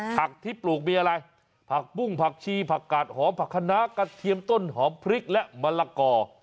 ผักที่ปลูกมีอะไรผักปุ้งผักชีผักกาดหอมผักคณะกระเทียมต้นหอมพริกและมะละกอ